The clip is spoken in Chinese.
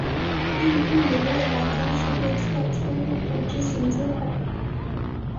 另预留未来增设对侧出入口之衔接口。